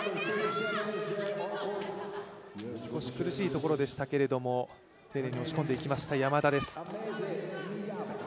少し苦しいところでしたけれども丁寧に押し込んでいきました山田です。